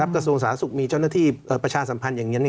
กระทรวงสาธารณสุขมีเจ้าหน้าที่ประชาสัมพันธ์อย่างนี้